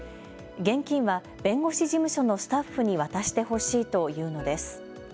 現金は弁護士事務所のスタッフに渡してほしいというのです。